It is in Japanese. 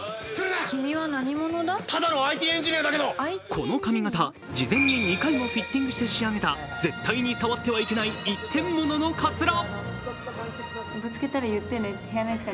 この髪形、事前に２回もフィッティングして仕上げた絶対に触ってはいけない一点物のかつら。